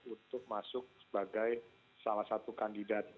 untuk masuk sebagai salah satu kandidat